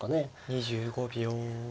２５秒。